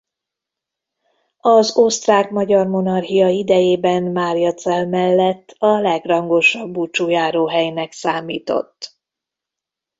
Az Osztrák–Magyar Monarchia idejében Mariazell mellett a legrangosabb búcsújáróhelynek számított.